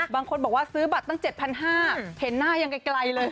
บางคนบอกว่าซื้อบัตรตั้ง๗๕๐๐เห็นหน้ายังไกลเลย